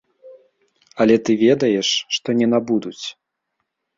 Але ты ведаеш, што не набудуць.